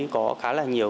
có khá là nhiều